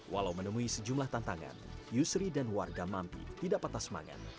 walau menemui sejumlah tantangan yusri dan warga mampi tidak patah semangat